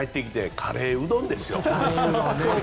カレーうどんですよ。